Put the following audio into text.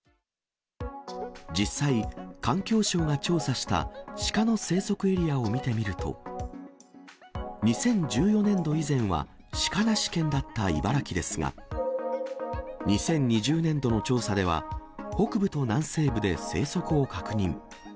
実際、環境省が調査したシカの生息エリアを見てみると、２０１４年度以前はシカなし県だった茨城ですが、２０２０年度の調査では、北部と南西部で生息を確認。